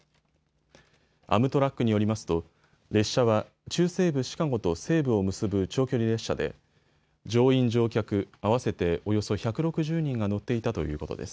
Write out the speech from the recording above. アムトラックによりますと列車は中西部シカゴと西部を結ぶ長距離列車で乗員乗客合わせておよそ１６０人が乗っていたということです。